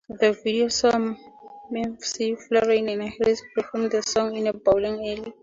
The video saw McFarlane and Harris perform the song in a bowling alley.